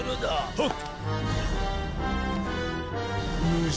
はっ！